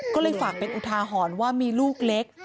ก็เลยฝากเป็นอุทาหรณ์ว่ามีลูกเล็ก